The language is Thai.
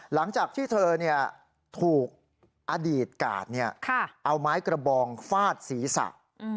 หลังจากที่เธอถูกอดีตกาดเอาไม้กระบองฟาดศีรษะ